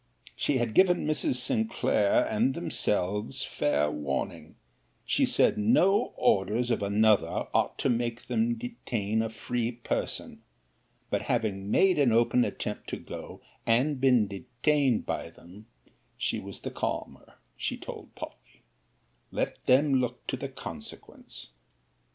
She had given Mrs. Sinclair and themselves fair warning, she said: no orders of another ought to make them detain a free person: but having made an open attempt to go, and been detained by them, she was the calmer, she told Polly; let them look to the consequence.